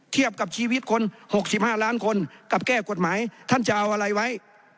เทียบกับชีวิตคน๖๕ล้านคนกับแก้กฎหมายท่านจะเอาอะไรไว้